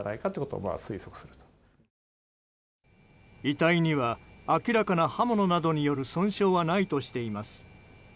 遺体には、明らかな刃物などによる損傷はないとしています。